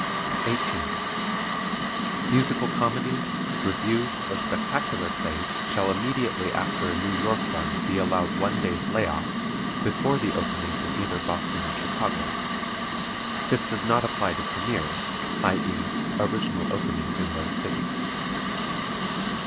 18. Musical comedies, revues or spectacular plays shall immediately after a New York run be allowed one day's lay off before the opening in either Boston or Chicago. This does not apply to premieres, i.e., original openings in those cities.